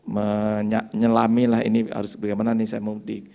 menyelami ini harus bagaimana ini saya mau ngerti